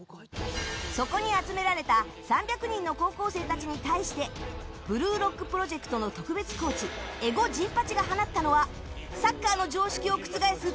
そこに集められた３００人の高校生たちに対してブルーロックプロジェクトの特別コーチ絵心甚八が放ったのはサッカーの常識を覆す